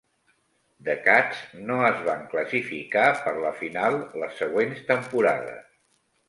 The Cats no es van classificar per la final les següents temporades.